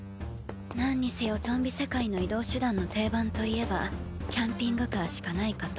なんにせよゾンビ世界の移動手段の定番といえばキャンピングカーしかないかと。